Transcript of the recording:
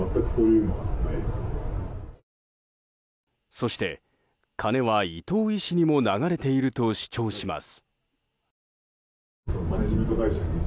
そして、金は伊藤医師にも流れていると主張します。